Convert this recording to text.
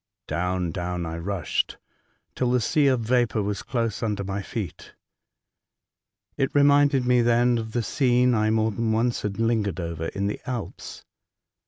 Down, down I rushed, till the sea of vapour was close under my feet. It reminded me then of the scene I more than once had lingered over in the Alps.